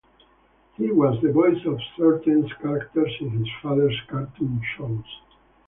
He was the voice of certain characters in his father's cartoon shows.